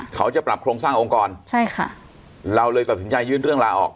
เขาจะปรับโครงสร้างองค์กรใช่ค่ะเราเลยตัดสินใจยื่นเรื่องลาออก